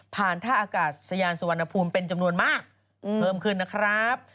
ท่าอากาศยานสุวรรณภูมิเป็นจำนวนมากเพิ่มขึ้นนะครับ